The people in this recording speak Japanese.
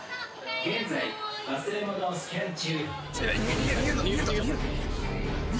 現在忘れ物をスキャン中逃げろ！